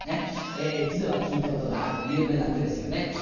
一度は聞いたことがある有名な句ですよね。